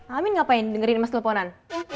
amin ngapain dengerin mas telponan